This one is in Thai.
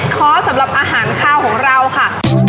ข้อสำหรับอาหารข้าวของเราค่ะ